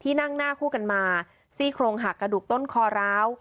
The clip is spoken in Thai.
นั่งหน้าคู่กันมาซี่โครงหักกระดูกต้นคอร้าว